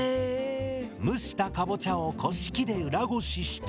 蒸したカボチャをこし器で裏ごしして